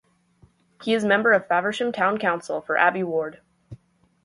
He is member of Faversham Town Council for Abbey Ward.